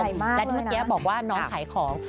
และที่เมื่อกี้บอกว่าน้องขายของ